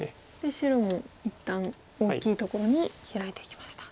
白も一旦大きいところにヒラいていきました。